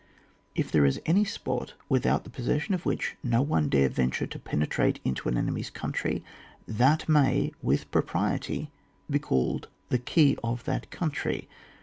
If there is any spot without the posses sion of which no one dare venture to penetrate into an enemy^s country that may, with propriety, be called the key of that coun try.